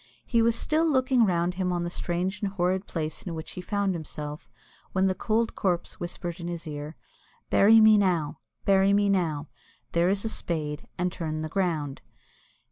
He was still looking round him on the strange and horrid place in which he found himself, when the cold corpse whispered in his ear, "Bury me now, bury me now; there is a spade and turn the ground."